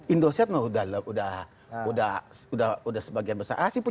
indosat udah sebagian besar